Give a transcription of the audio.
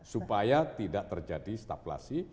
supaya tidak terjadi staflasi